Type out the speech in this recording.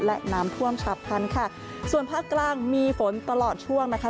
และน้ำท่วมฉับพันธุ์ค่ะส่วนภาคกลางมีฝนตลอดช่วงนะคะ